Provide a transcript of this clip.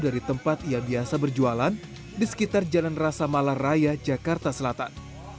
dari tempat ia biasa berjualan di sekitar jalan rasa malar raya jakarta selatan